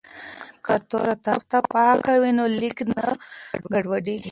که تور تخته پاکه وي نو لیک نه ګډوډیږي.